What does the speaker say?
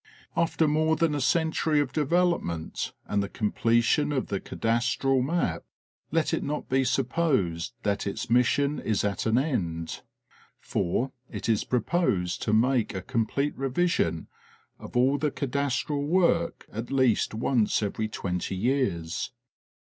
After more than a century of development and the completion of the cadastral map, let it not be supposed that its mission is at an end, for it is proposed to make a complete revision of all the cadastral work at least once every twenty years.